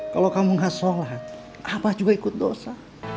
kalau kamu nggak sholat abah juga ikut dosa